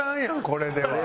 これでは。